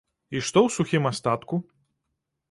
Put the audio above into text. І што ў сухім астатку?